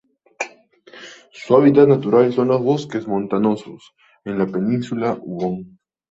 Su hábitat natural son los bosques montanos en la península Huon.